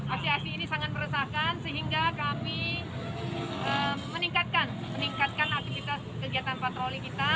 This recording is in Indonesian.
aksi aksi ini sangat meresahkan sehingga kami meningkatkan aktivitas kegiatan patroli kita